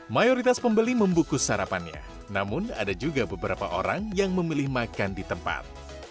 mayoritas pembeli membungkus sarapannya namun ada juga beberapa orang yang memilih makan di tempat